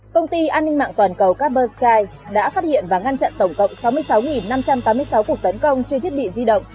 công ty an ninh mạng toàn cầu carbus sky đã phát hiện và ngăn chặn tổng cộng sáu mươi sáu năm trăm tám mươi sáu cuộc tấn công trên thiết bị di động